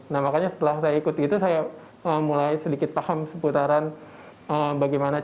nah makanya setelah saya ikut gitu saya mulai sedikit paham seputaran bagaimana cara